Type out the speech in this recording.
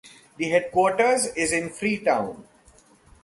The headquarters is in Freetown.